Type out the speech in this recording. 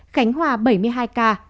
khánh hòa bảy mươi hai ca